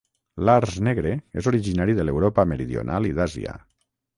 L'arç negre és originari de l'Europa meridional i d'Àsia.